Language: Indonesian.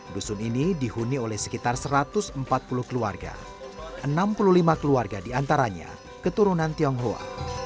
dusun ini dihuni oleh sekitar satu ratus empat puluh keluarga enam puluh lima keluarga diantaranya keturunan tionghoa